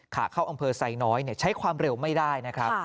ขาเข้าอำเภอไซน้อยใช้ความเร็วไม่ได้นะครับ